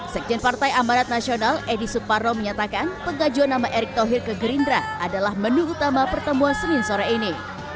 sekjen partai amarat nasional edi suparno menyatakan pengajuan nama erick thohir ke gerindra adalah menu utama pertemuan senin sore ini